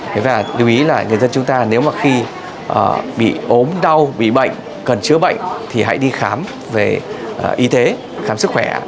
điều ý là người dân chúng ta nếu mà khi bị ốm đau bị bệnh cần chứa bệnh thì hãy đi khám về y tế khám sức khỏe